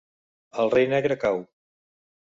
El rei negre cau.